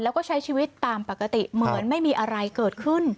แล้วก็ใช้ชีวิตตามปกติเหมือนไม่มีอะไรเกิดขึ้น